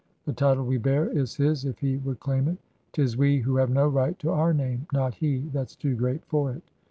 ... The title we bear is his if he would claim it. 'Tis we who have no right to our name: not he, that's too great for it.